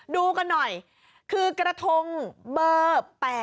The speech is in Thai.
ดูกันหน่อยคือกระทงเบอร์๘